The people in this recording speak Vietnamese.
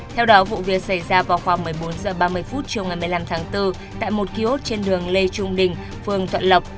theo đó vụ việc xảy ra vào khoảng một mươi bốn h ba mươi chiều ngày một mươi năm tháng bốn tại một kiosk trên đường lê trung đình phường thuận lộc